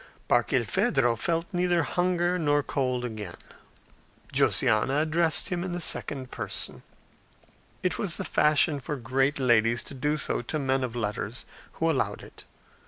Barkilphedro felt neither hunger nor cold again. Josiana addressed him in the second person; it was the fashion for great ladies to do so to men of letters, who allowed it.